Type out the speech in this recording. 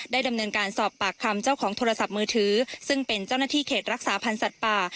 ดำเนินการสอบปากคำเจ้าของโทรศัพท์มือถือซึ่งเป็นเจ้าหน้าที่เขตรักษาพันธ์สัตว์ป่า